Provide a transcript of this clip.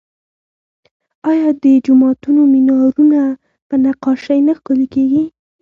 آیا د جوماتونو مینارونه په نقاشۍ نه ښکلي کیږي؟